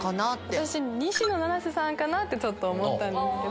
私、西野七瀬さんかなってちょっと思ったんですけど。